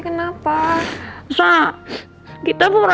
kenapa sih kenapa